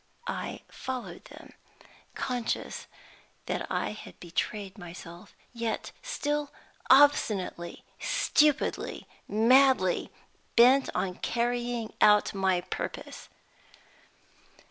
I followed them, conscious that I had betrayed myself, yet still obstinately, stupidly, madly bent on carrying out my purpose.